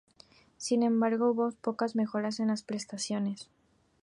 Sin embargo, hubo pocas mejoras en las prestaciones.